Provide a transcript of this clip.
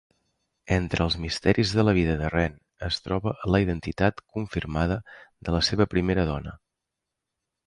Entre els misteris de la vida de Wren es troba la identitat confirmada de la seva primera dona.